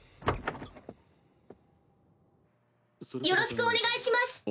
よろしくお願いします！